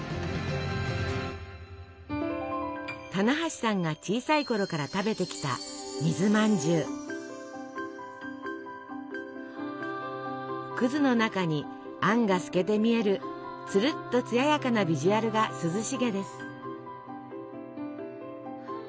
棚橋さんが小さいころから食べてきたの中にあんが透けて見えるつるっとつややかなビジュアルが涼しげです。